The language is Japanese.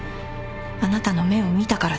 あなたの目を見たからです。